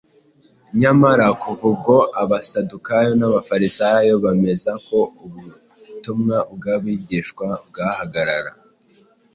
nyamara kuva ubwo Abasadukayo n’Abafarisayo bemeza ko ubutumwa bw’abigishwa bwahagarara